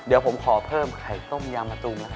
เดี๋ยวผมขอเพิ่มไข่ต้มย่ามาตรุมล่ะ